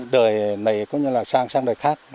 đời này cũng như là sang đời khác